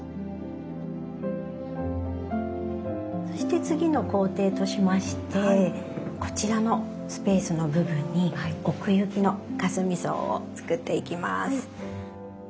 そして次の工程としましてこちらのスペースの部分に奥行きのかすみ草を作っていきます。